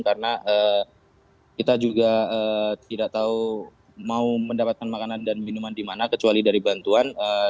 karena kita juga tidak tahu mau mendapatkan makanan dan minuman dimana kecuali dari bantuan